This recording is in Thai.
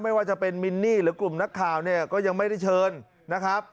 ไม่ว่าจะเป็นมินนี่หรือกลุ่มนักข่าวเนี่ยก็ยังไม่ได้เชิญนะครับ